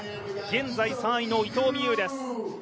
現在３位の伊藤美優です。